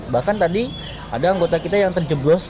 bahkan tadi ada anggota kita yang terjeblos